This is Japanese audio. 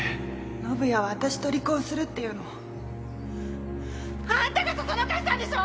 宣也は私と離婚するって言うの。あんたがそそのかしたんでしょ！